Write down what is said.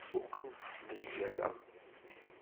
Ur kent-smejgareɣ.